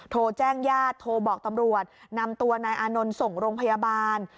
โทรแจ้งญาติโทรบอกตำรวจนำตัวนายอานนท์ส่งโรงพยาบาล